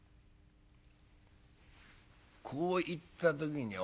「こう言った時に俺はね